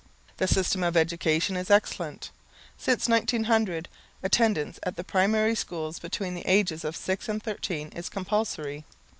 The system of education is excellent. Since 1900 attendance at the primary schools between the ages of six and thirteen is compulsory.